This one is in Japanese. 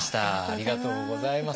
ありがとうございます。